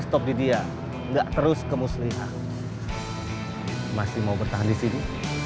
stop di dia enggak terus kemuslihan masih mau bertahan di sini